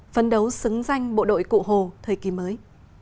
phấn đấu xứng danh bộ đội cụ hồ thời kỳ mới